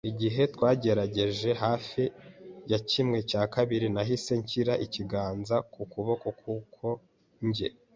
Igihe twageraga hafi ya kimwe cya kabiri, nahise nshyira ikiganza ku kuboko, kuko njye